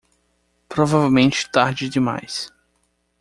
Provavelmente tarde demais